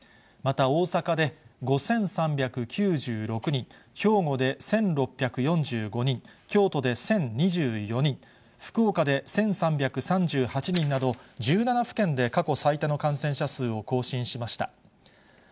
また大阪で５３９６人、兵庫で１６４５人、京都で１０２４人、福岡で１３３８人など、１７府県で過去最多の感染者数を更新しました。